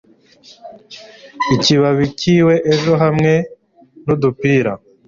ikibabi cyibwe ejo, hamwe nudupira